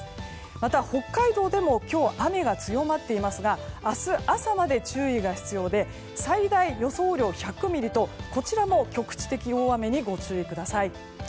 また、北海道でも今日雨が強まっていますが明日朝まで注意が必要で最大予想雨量１００ミリとこちらも局地的大雨にご注意ください。